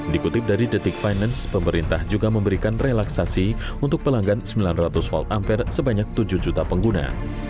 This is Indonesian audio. dikutip dari detik finance pemerintah juga memberikan relaksasi untuk pelanggan sembilan ratus volt ampere sebanyak tujuh juta pengguna